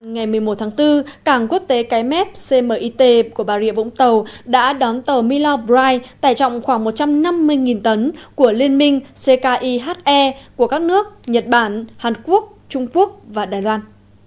ngày một mươi một tháng bốn cảng quốc tế cái mép cmit của bà rịa vũng tàu đã đón tàu milabright tải trọng khoảng một trăm năm mươi tấn của liên minh ckihe của các nước nhật bản hàn quốc trung quốc và đài loan